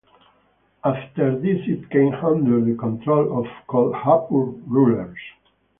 After this it came under the control of Kolhapur rulers.